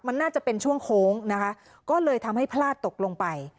มันน่าจะเป็นช่วงโค้งนะคะก็เลยทำให้พลาดตกลงไป